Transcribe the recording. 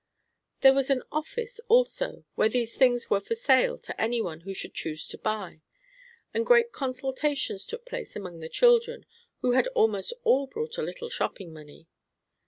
There was an "office" also, where these things were for sale to any one who should choose to buy, and great consultations took place among the children, who had almost all brought a little shopping money.